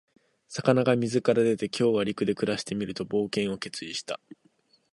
魚が水から出て、「今日は陸で暮らしてみる」と冒険を決意した。